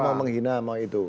mau menghina mau itu